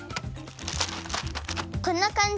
こんなかんじ？